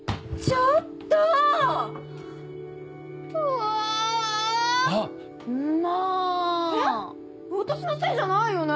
えっ私のせいじゃないよね？